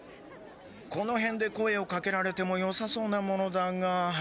このへんで声をかけられてもよさそうなものだが。